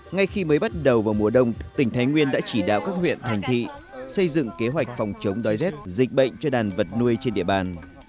ngay khi mới bắt đầu vào mùa đông tỉnh thái nguyên đã chỉ đạo các huyện thành thị xây dựng kế hoạch phòng chống đói rét dịch bệnh cho đàn vật nuôi trên địa bàn